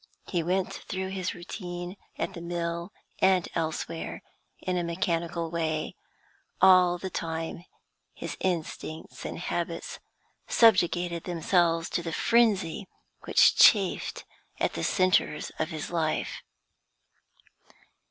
He went through his routine, at the mill and elsewhere, in a mechanical way; all the time his instincts and habits subjugated themselves to the frenzy which chafed at the centres of his life.